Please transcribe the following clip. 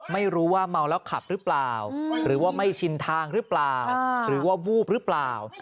ไม่รู้ว่าเมาแล้วขับหรือเปล่าหรือว่าไม่ชินทางหรือเปล่าหรือว่าวูบหรือเปล่า